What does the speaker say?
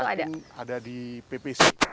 saya yakin ada di ppc